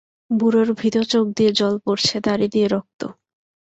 বুড়োর ভীত চোখ দিয়ে জল পড়ছে, দাড়ি দিয়ে রক্ত।